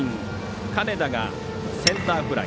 金田がセンターフライ。